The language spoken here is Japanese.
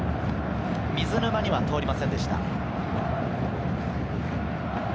水沼には通りませんでした。